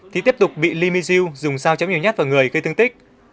thì tiếp tục bị li mingzhu dùng dao chém nhiều nhát vào người gây thương tích